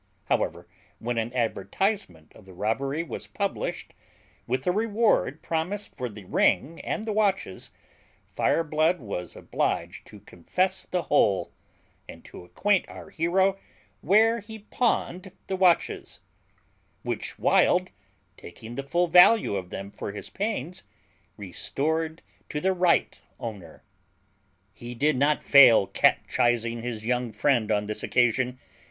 However, when an advertisement of the robbery was published, with a reward promised for the ring and the watches, Fireblood was obliged to confess the whole, and to acquaint our hero where he pawned the watches; which Wild, taking the full value of them for his pains, restored to the right owner. He did not fail catchising his young friend on this occasion.